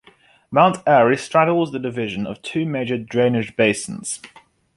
Mount Airy straddles the division of two major drainage basins.